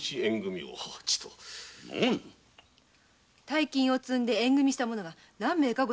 大金を積んで縁組した者も何人か。